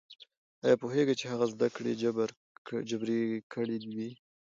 ايا پوهېږئ چې هغه زده کړې جبري کړې وې؟